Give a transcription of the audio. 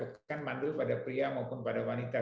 jadi ditakutkan mandul pada pria maupun pada wanita